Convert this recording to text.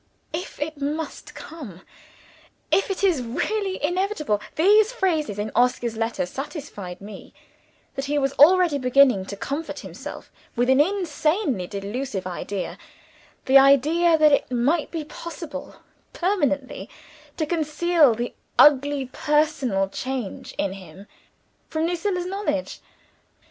"If it must come," "if it is really inevitable" these phrases in Oscar's letter satisfied me that he was already beginning to comfort himself with an insanely delusive idea the idea that it might be possible permanently to conceal the ugly personal change in him from Lucilla's knowledge.